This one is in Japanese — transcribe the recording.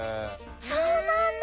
そうなんだ。